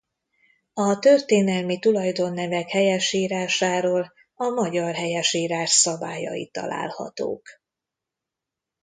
A történelmi tulajdonnevek helyesírásáról a magyar helyesírás szabályai találhatók.